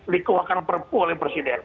dikeuakan perpu oleh presiden